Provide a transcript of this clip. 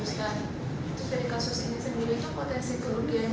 jadi kasus ini sendiri itu potensi keuntungan